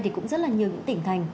thì cũng rất là nhiều tỉnh thành